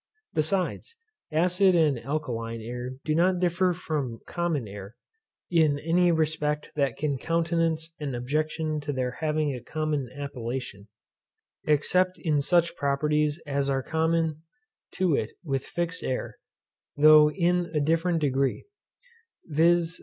Besides, acid and alkaline air do not differ from common air (in any respect that can countenance an objection to their having a common appellation) except in such properties as are common to it with fixed air, though in a different degree; viz.